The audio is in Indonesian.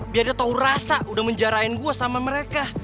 biar dia tau rasa udah menjarain gue sama mereka